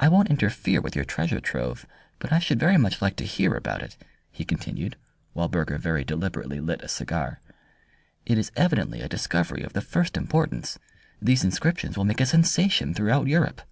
"I won't interfere with your treasure trove, but I should very much like to hear about it," he continued, while Burger very deliberately lit a cigar. "It is evidently a discovery of the first importance. These inscriptions will make a sensation throughout Europe."